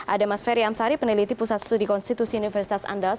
ada mas ferry amsari peneliti pusat studi konstitusi universitas andalas